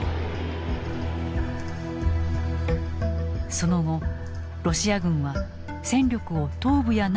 その後ロシア軍は戦力を東部や南部に集中。